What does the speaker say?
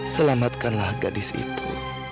selamatkanlah gadis itu